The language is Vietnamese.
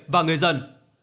và người dân